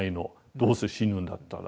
どうせ死ぬんだったら。